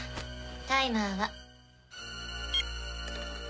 タイマーは。